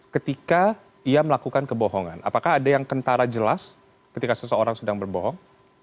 ketika ia melakukan kebohongan apakah ada yang kentara jelas ketika seseorang sedang berbohong